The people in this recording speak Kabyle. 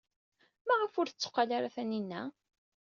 Maɣef ur tetteqqal ara Taninna?